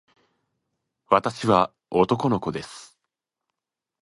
私は男の子です。